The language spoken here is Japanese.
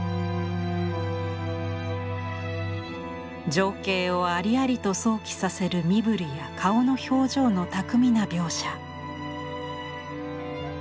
情景をありありと想起させる身振りや顔の表情の巧みな描写。